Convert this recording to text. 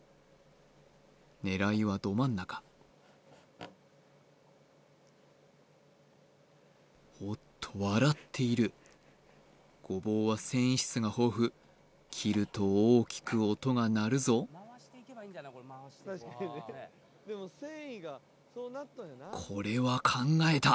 狙いはど真ん中おっと笑っているゴボウは繊維質が豊富切ると大きく音が鳴るぞこれは考えた！